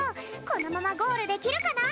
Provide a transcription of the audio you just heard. このままゴールできるかな？